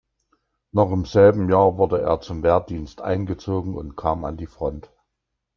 Noch im selben Jahr wurde er zum Wehrdienst eingezogen und kam an die Front.